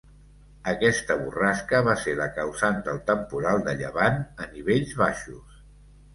Aquesta borrasca va ser la causant del temporal de llevant a nivells baixos.